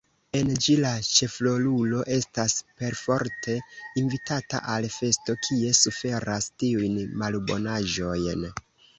En ĝi la ĉefrolulo estas perforte invitata al festo kie suferas tiujn malbonaĵojn.